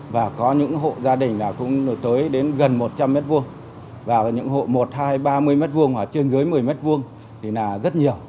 và có những hộ gia đình cũng tới gần một trăm linh m hai và những hộ một hai ba mươi m hai ở trên dưới một mươi m hai thì là rất nhiều